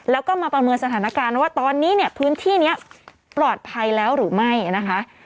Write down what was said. แล้วก็มาประเมินสถานการณ์ว่าตอนนี้เนี่ยพื้นที่นี้ปลอดภัยแล้วหรือไม่นะคะ